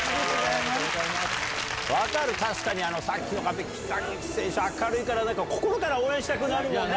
分かる、確かにさっきのこうやって、北口選手、明るいから、心から応援したくなるもんね。